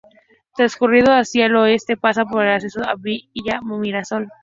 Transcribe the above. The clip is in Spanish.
Transcurriendo hacia el oeste, pasa por el acceso a Villa Mirasol.